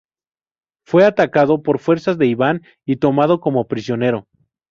Fue atacado por fuerzas de Iván y tomado como prisionero.